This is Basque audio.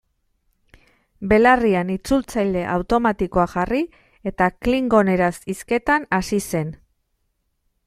Belarrian itzultzaile automatikoa jarri eta klingoneraz hizketan hasi zen.